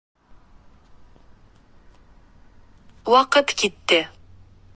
Ваҡыт китте!..